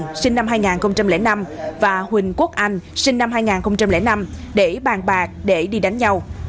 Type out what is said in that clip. huỳnh quốc anh sinh năm hai nghìn năm và huỳnh quốc anh sinh năm hai nghìn năm để bàn bạc để đi đánh nhau